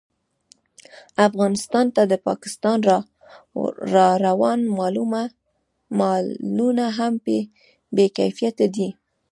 افغانستان ته د پاکستان راروان مالونه هم بې کیفیته دي